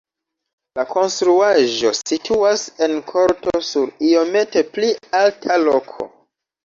La konstruaĵo situas en korto sur iomete pli alta loko.